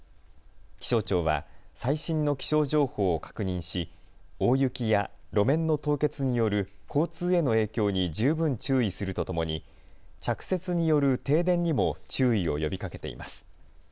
気象庁は最新の気象情報を確認し大雪や路面の凍結による交通への影響に十分注意するとともに着雪による停電にも注意を呼びかけています。